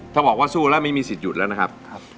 ถ้าบอกว่าสู้แล้วไม่มีสิทธิหยุดแล้วนะครับ